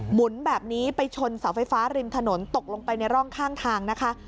หมุนแบบนี้ไปชนเสาไฟฟ้าริมถนนตกลงไปในร่องข้างทางนะคะ